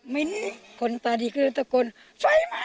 มิ้นคนตาดีก็จะกลิ่นไฟมันไฟมัน